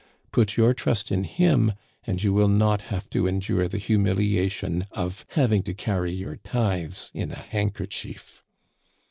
Put your trust in him, and you will not have to endure the humiliation of having to carry your tithes in a hand kerchief.'